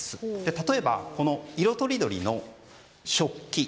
例えば、色とりどりの食器